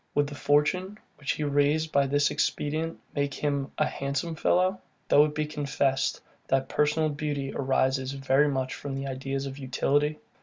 Would the fortune, which he raised by this expedient, make him a handsome fellow; though it be confessed, that personal beauty arises very much from ideas of utility?